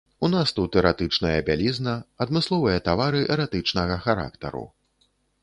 У нас тут эратычная бялізна, адмысловыя тавары эратычнага характару.